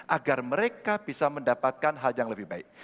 agar mereka bisa mendapatkan hal yang lebih baik